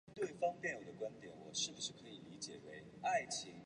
让我问他